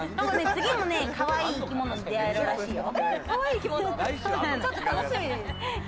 次もかわいい生き物に出会えるらしいよ。